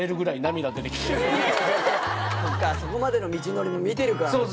そこまでの道のり見てるからね。